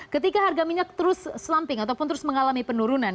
ketika harga minyak terus slumping ataupun terus mengalami penurunan